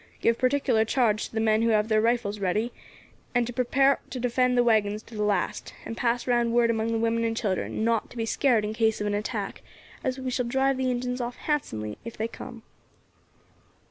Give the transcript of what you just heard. Give particular charge to the men to have their rifles handy, and to prepare to defend the waggons to the last, and pass round word among the women and children not to be scared in case of an attack, as we shall drive the Injins off handsomely if they come."